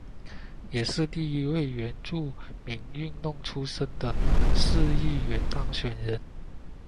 也是第一位原住民运动出身的市议员当选人。